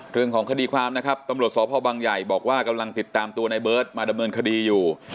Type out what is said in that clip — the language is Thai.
เรื่องของคดีความนะครับตำรวจสพบังใหญ่บอกว่ากำลังติดตามตัวในเบิร์ตมาดำเนินคดีอยู่